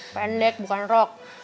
pendek bukan rok